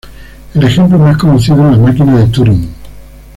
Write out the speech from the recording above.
El ejemplo más conocido es la máquina de Turing.